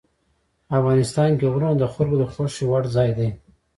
افغانستان کې غرونه د خلکو د خوښې وړ ځای دی.